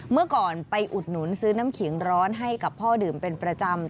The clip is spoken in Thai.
เมื่อก่อนไปอุดหนุนซื้อน้ำเขียงร้อนให้กับพ่อดื่มเป็นประจำ